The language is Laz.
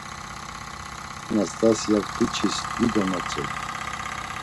Nastasyak biç̌is dido notzedu.